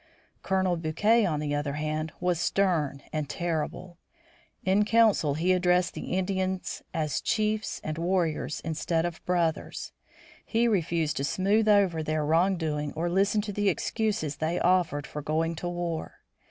Colonel Bouquet, on the other hand, was stern and terrible. In council he addressed the Indians as chiefs and warriors, instead of "brothers." He refused to smooth over their wrong doing or listen to the excuses they offered for going to war.